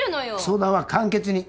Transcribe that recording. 相談は簡潔に。